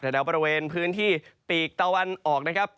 แถวบริเวณพื้นที่ปีกตะวันออกนะครับ